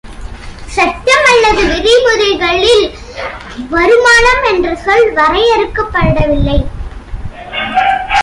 சட்டம் அல்லது விதிமுறைகளில் "வருமானம்" என்ற சொல் வரையறுக்கப்படவில்லை.